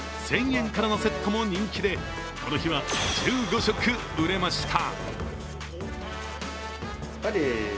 １０００円からのセットも人気で、この日は１５食売れました。